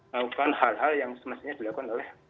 melakukan hal hal yang semestinya dilakukan oleh